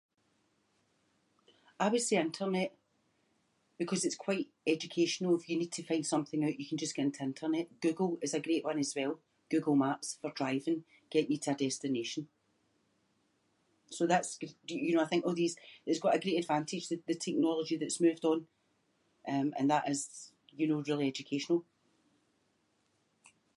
I would say internet because it’s quite educational if you need to find something out you can just go into internet. Google is a great one as well, Google Maps for driving, getting you to a destination. So that’s gr- you know, I think all these- it’s got a great advantage th- the technology that’s moved on. Um, and that is, you know, really educational.